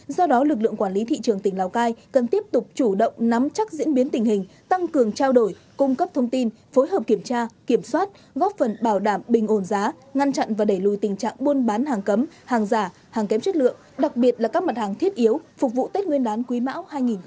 do đó lực lượng quản lý thị trường tỉnh lào cai cần tiếp tục chủ động nắm chắc diễn biến tình hình tăng cường trao đổi cung cấp thông tin phối hợp kiểm tra kiểm soát góp phần bảo đảm bình ổn giá ngăn chặn và đẩy lùi tình trạng buôn bán hàng cấm hàng giả hàng kém chất lượng đặc biệt là các mặt hàng thiết yếu phục vụ tết nguyên đán quý mão hai nghìn hai mươi